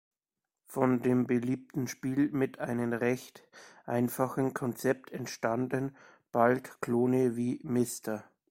Von dem beliebten Spiel mit einem recht einfachen Konzept entstanden bald Klone wie "Mr.